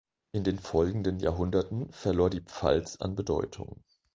In den folgenden Jahrhunderten verlor die Pfalz an Bedeutung.